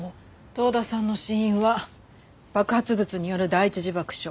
遠田さんの死因は爆発物による第一次爆傷。